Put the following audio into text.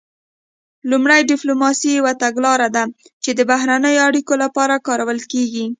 لومړی ډیپلوماسي یوه تګلاره ده چې د بهرنیو اړیکو لپاره کارول کیږي